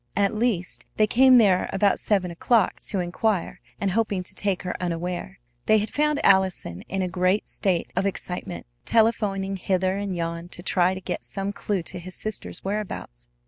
At least, they came there about seven o'clock to inquire and hoping to take her unaware. They had found Allison in a great state of excitement, telephoning hither and yon to try to get some clew to his sister's whereabouts.